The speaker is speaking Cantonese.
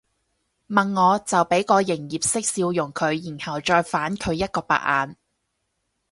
問我就俾個營業式笑容佢然後再反佢一個白眼